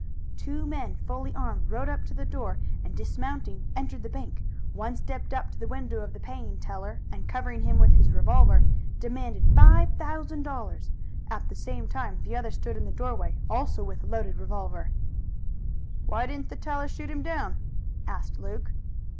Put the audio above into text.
"Two men fully armed rode up to the door, and, dismounting, entered the bank. One stepped up to the window of the paying teller, and covering him with his revolver, demanded five thousand dollars. At the same time the other stood in the doorway, also with a loaded revolver." "Why didn't the teller shoot him down?" asked Luke.